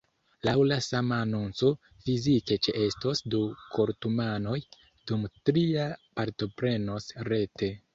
Laŭ la sama anonco, fizike ĉeestos du kortumanoj, dum tria partoprenos rete.